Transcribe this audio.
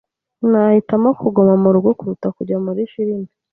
Nahitamo kuguma murugo kuruta kujya muri firime.